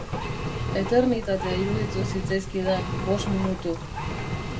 Eternitatea iruditu zitzaizkidan bost minutu.